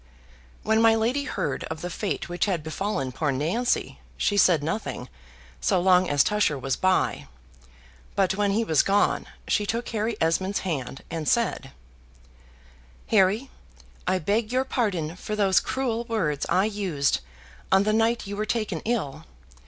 When my lady heard of the fate which had befallen poor Nancy, she said nothing so long as Tusher was by, but when he was gone, she took Harry Esmond's hand and said "Harry, I beg your pardon for those cruel words I used on the night you were taken ill.